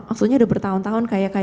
maksudnya udah bertahun tahun kayak